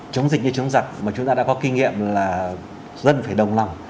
chống dịch như chống giặc mà chúng ta đã có kinh nghiệm là dân phải đồng lòng